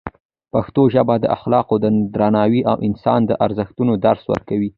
پښتو ژبه د اخلاقو، درناوي او انساني ارزښتونو درس ورکوي.